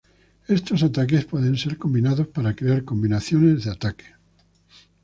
Estos ataques pueden ser combinados para crear combinaciones de ataques.